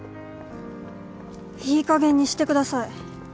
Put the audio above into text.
いいかげんにしてください。